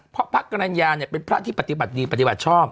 เพราะพระกรรณญาเนี่ยเป็นพระที่ปฏิบัติดีปฏิบัติชอบ